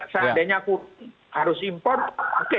seandainya aku harus impor pakai